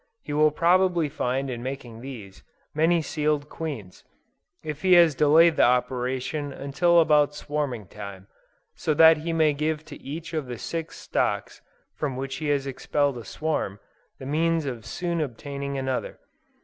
He will probably find in making these, many sealed queens, if he has delayed the operation until about swarming time; so that he may give to each of the six stocks from which he has expelled a swarm, the means of soon obtaining another.